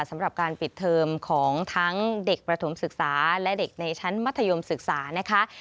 สำหรับการปิดเทอมของทั้งเด็กประถมศึกษาและเด็กในชั้นมัธยมศึกษานะคะ